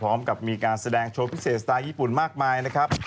พร้อมกับมีการแสดงโชว์พิเศษสไตล์ญี่ปุ่นมากมายนะครับ